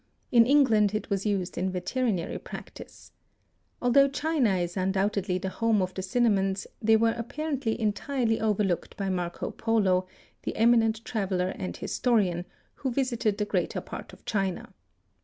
In England it was used in veterinary practice. Although China is undoubtedly the home of the cinnamons they were apparently entirely overlooked by Marco Polo, the eminent traveler and historian, who visited the greater part of China.